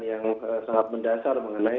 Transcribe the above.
yang sangat mendasar mengenai